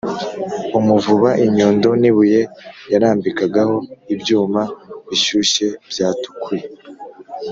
umuvuba, inyundo n’ibuye yarambikagaho ibyuma bishyushye byatukuye